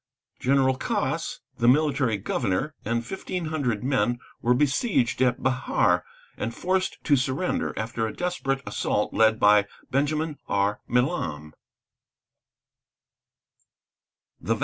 General Cos, the military governor, and fifteen hundred men, were besieged at Bejar, and forced to surrender, after a desperate assault led by Benjamin R.